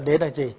thế là gì